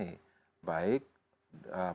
ini juga perlu kita benahi